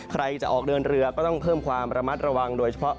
ใครจะออกเดินเรือก็ต้องเพิ่มความระมัดระวังโดยเฉพาะ